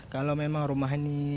kalau memang rumah ini